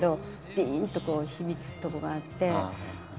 ピンとこう響くとこがあって。